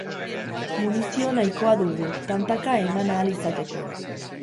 Munizio nahikoa dugu, tantaka eman ahal izateko.